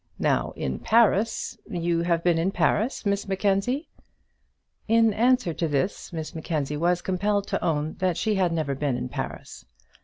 Now, in Paris you have been in Paris, Miss Mackenzie?" In answer to this, Miss Mackenzie was compelled to own that she had never been in Paris.